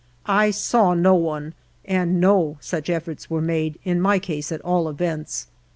I saw no one, and no such efforts were made, in my case, at all events.